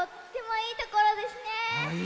いいとこですね。